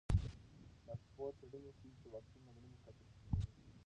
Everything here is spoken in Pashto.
د اکسفورډ څېړنې ښیي چې واکسین د مړینې کچه ټیټوي.